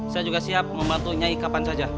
saya juga siap membantu nyai kapan saja